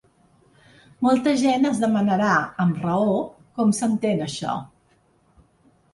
Molta gent es demanarà, amb raó, com s’entén, això.